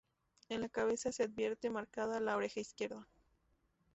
En la cabeza se advierte marcada la oreja izquierda.